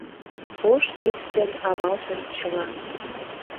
Ош тӱс ден авалтын чыла.